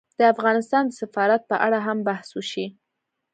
د افغانستان د سفارت په اړه هم بحث وشي